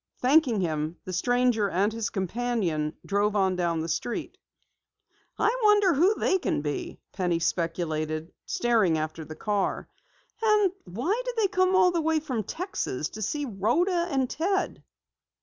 Thanking him, the stranger and his companion drove on down the street. "I wonder who they can be?" Penny speculated, staring after the car. "And why did they come all the way from Texas to see Rhoda and Ted?"